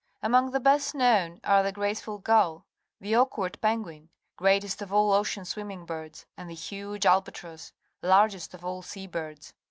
Among the best known are the graceful gull, the awkward penguin, greatest of all ocean swimming birds, and the huge albatross, largest of all sea birds.